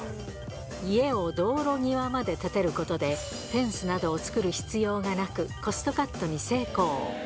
家を道路際まで建てることで、フェンスなどを作る必要がなく、コストカットに成功。